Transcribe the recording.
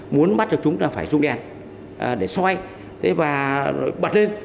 muốn bắt được chúng là phải rung đèn để xoay và bật lên